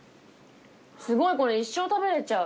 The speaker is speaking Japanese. すごいこれ一生食べれちゃう。